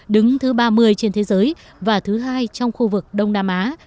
đứng thứ ba mươi trên thế giới và thứ hai trong khu vực đông nam á